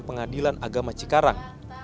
pengadilan agama cikarang